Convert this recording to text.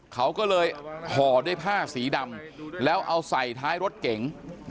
เขาก็เลยห่อด้วยผ้าสีดำแล้วเอาใส่ท้ายรถเก๋ง